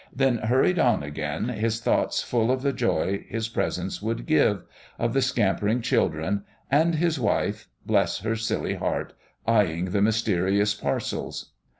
then hurried on again, his thoughts full of the joy his presents would give ... of the scampering children ... and of his wife bless her silly heart! eyeing the mysterious parcels....